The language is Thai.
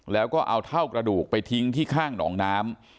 แล้วก็เอาเท่ากระดูกไปทิ้งที่ข้างหนองน้ำ